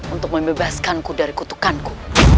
untuk membebaskanku dari kutukanku